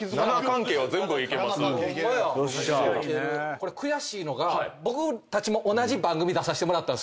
これ悔しいのが僕たちも同じ番組出させてもらった。